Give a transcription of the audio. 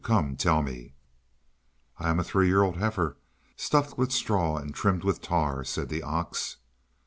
Come, tell me!" "I am a three year old heifer, stuffed with straw and trimmed with tar," said the ox.